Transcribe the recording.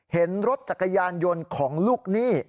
เห็นรถจักรยานยนต์ของลูกหนี้